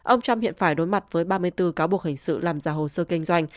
ông trump hiện phải đối mặt với ba mươi bốn cáo buộc hình sự làm giả hồ sơ kinh doanh